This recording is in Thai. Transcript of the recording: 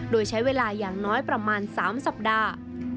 โดยใช้เวลาอย่างน้อยประมาณ๓สัปดาห์